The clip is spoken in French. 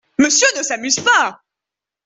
Monsieur ne s’amuse pas !